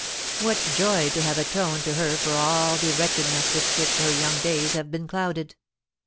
"What joy to have atoned to her for all the wretchedness with which her young days have been clouded!